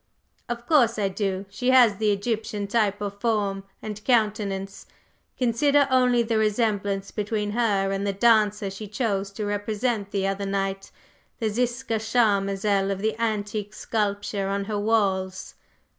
"Of course I do. She has the Egyptian type of form and countenance. Consider only the resemblance between her and the dancer she chose to represent the other night the Ziska Charmazel of the antique sculpture on her walls!"